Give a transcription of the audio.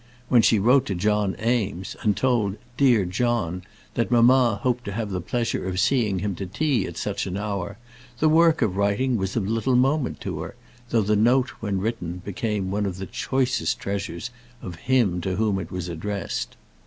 When she wrote to John Eames, and told "Dear John" that mamma hoped to have the pleasure of seeing him to tea at such an hour, the work of writing was of little moment to her, though the note when written became one of the choicest treasures of him to whom it was addressed.